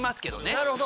なるほど。